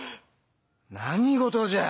何事じゃ。